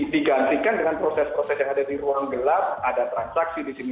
digantikan dengan proses proses yang ada di ruang gelap ada transaksi di sini